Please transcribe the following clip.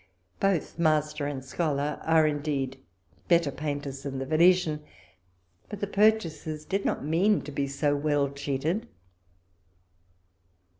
Both master and scholar are indeed better painters than the Venetian ; but the purchasers did not mean to be so well cheated.